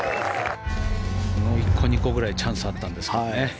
もう１個、２個ぐらいチャンスあったんですけどね。